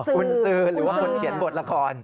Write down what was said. คุณตือหรือว่าคนเขียนบทละคร